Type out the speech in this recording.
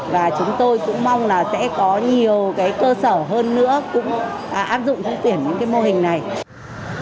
và chúng tôi cũng mong là sẽ có nhiều cơ sở hơn nữa cũng áp dụng thí tuyển những cái mô hình này